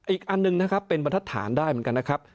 อีกอันหนึ่งนะครับเป็นบรรทัดฐานได้เหมือนกันนะครับ